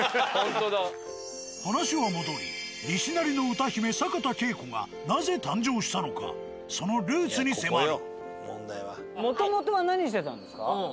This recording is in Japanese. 話は戻り西成の歌姫坂田佳子がなぜ誕生したのかそのルーツに迫る。